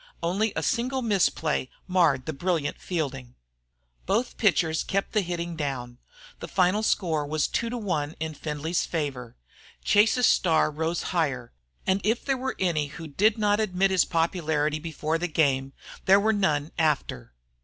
Only a single misplay marred the brilliant fielding. Both pitchers kept the hitting down. The final score was 2 to 1 in Findlay's favor. Chase's star rose higher; and if there were any who did not admit his popularity before the game, there were none after.